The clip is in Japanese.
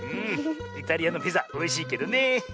イタリアのピザおいしいけどね！